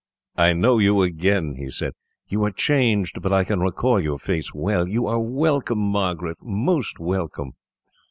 "I know you again," he said. "You are changed, but I can recall your face well. You are welcome, Margaret, most welcome.